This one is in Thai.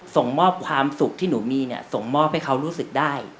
ส่งมอบความสุขที่หนูมีเนี่ยส่งมอบให้เขารู้สึกได้